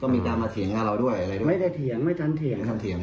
ไม่ทันเถียงเลย